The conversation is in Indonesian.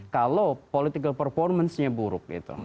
kalau performance politiknya buruk